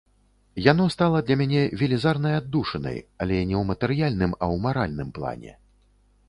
Яно стала для мяне велізарнай аддушынай, але не ў матэрыяльным, а ў маральным плане.